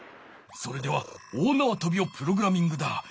それでは大なわとびをプログラミングだ。